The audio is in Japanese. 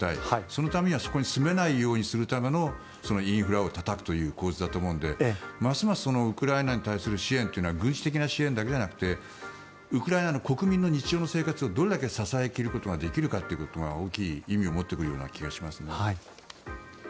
そのためにはそこに住めないようにするためのインフラをたたくという構図だと思うのでますますウクライナに対する支援というのは軍事的な支援だけじゃなくてウクライナの国民の日常の生活をどれだけ支え切ることができるかが大きい意味を持ってくる気がします。